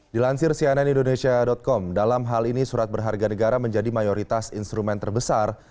dilansir cnn indonesia com dalam hal ini surat berharga negara menjadi mayoritas instrumen terbesar